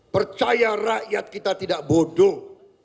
percaya rakyat kita tidak bodoh